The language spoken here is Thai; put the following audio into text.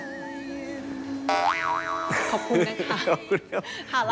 ขอบคุณครับ